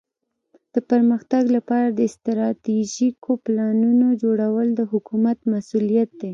د پرمختګ لپاره د استراتیژیکو پلانونو جوړول د حکومت مسؤولیت دی.